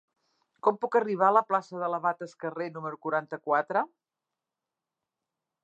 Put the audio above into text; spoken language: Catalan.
Com puc arribar a la plaça de l'Abat Escarré número quaranta-quatre?